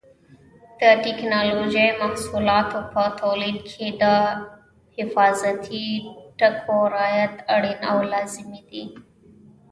د ټېکنالوجۍ محصولاتو په تولید کې د حفاظتي ټکو رعایت اړین او لازمي دی.